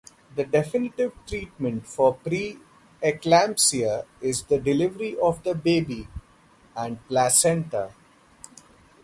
The definitive treatment for pre-eclampsia is the delivery of the baby and placenta.